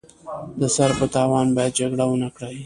د سر په تاوان باید جګړه ونکړي.